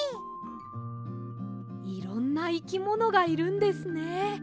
いろんないきものがいるんですね。